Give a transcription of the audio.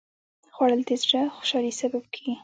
خوړل د زړه خوشالي سبب کېږي